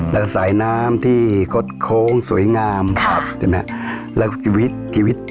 แล้วก็สายน้ำที่คดโค้งสวยงามแล้วก็ชีวิตชีวิต